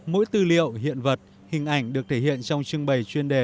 mỗi tư liệu hiện vật hình ảnh được thể hiện trong trưng bày chuyên đề